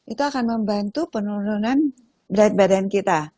itu akan membantu penurunan berat badan kita